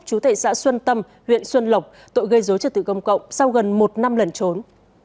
chú tệ xã xuân tâm huyện xuân lộc tội gây dối trật tự công cộng sau gần một năm lần trốn